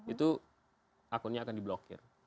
itu akunnya akan di blokir